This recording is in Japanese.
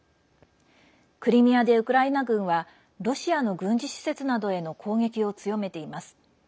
クリミアでウクライナ軍はロシアの軍事施設などへの攻撃を強めています。